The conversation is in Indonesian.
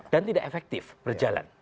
dan tidak efektif berjalan